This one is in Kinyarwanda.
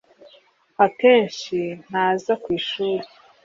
Akenshi ntaza ku ishuri